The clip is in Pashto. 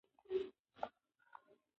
ټولنیز واقعیت په ټوله ټولنه کې عمومي دی.